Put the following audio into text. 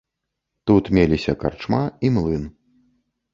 Тут меліся карчма і млын.